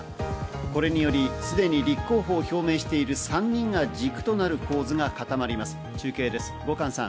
これによりすでに立候補を表明している３人が軸となる構図が固まります。